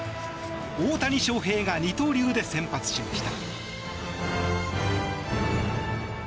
大谷翔平が二刀流で先発しました。